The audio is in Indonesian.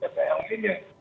data yang lainnya